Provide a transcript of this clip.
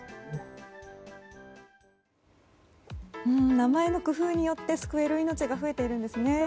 名前の工夫によって救える命が増えているんですね。